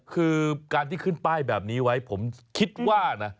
คือการที่ขึ้นป้ายแบบนี้ไว้ผมคิดว่านะ